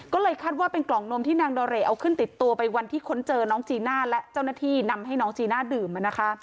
ก็เลยคาดว่าเป็นกล่องนมที่นางดอเรย์เอาขึ้นติดตัวไปวันที่ค้นเจอน้องจีน่าและเจ้าหน้าที่นำให้น้องจีน่าดื่มมานะคะ